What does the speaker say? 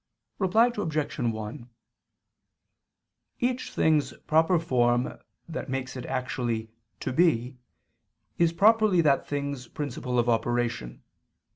Reply Obj. 1: Each thing's proper form that makes it actually to be is properly that thing's principle of operation.